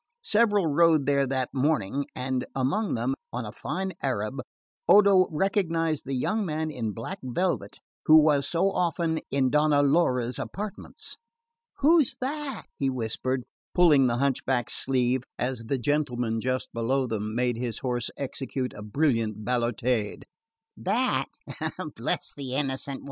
Several rode there that morning; and among them, on a fine Arab, Odo recognised the young man in black velvet who was so often in Donna Laura's apartments. "Who's that?" he whispered, pulling the hunchback's sleeve, as the gentleman, just below them, made his horse execute a brilliant balotade. "That? Bless the innocent!